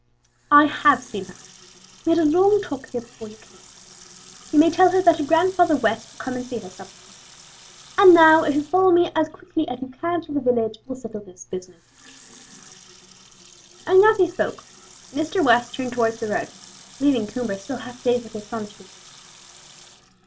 "I have seen her. We had a long talk here before you came. You may tell her that her Grandfather West will come and see her sometimes. And now, if you'll follow me as quickly as you can to the village, we'll settle this business;" and as he spoke, Mr. West turned towards the road, leaving Coomber still half dazed with astonishment.